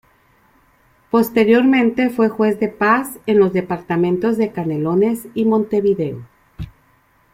Posteriormente fue juez de paz en los departamentos de Canelones y Montevideo.